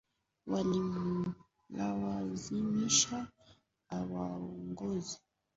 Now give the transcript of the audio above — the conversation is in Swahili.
Walimlazimisha awaongoze lakini walipokuwa njiani walisikia kwa mbali sauti ya bunduki risasi moja